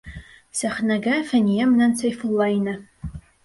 Сәхнәгә Фәниә менән Сәйфулла инә.